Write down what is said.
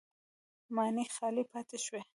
ماڼۍ خالي پاتې شوې